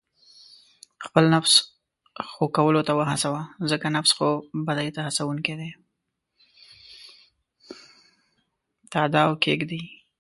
تاداو کښېږدي